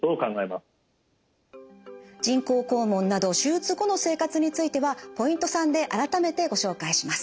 人工肛門など手術後の生活についてはポイント３で改めてご紹介します。